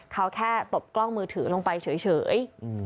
เขาแค่ตบกล้องมือถือลงไปเฉย